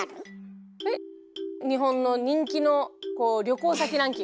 えっ日本の人気の旅行先ランキング。